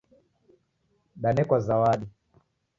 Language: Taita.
Denekwa zawadi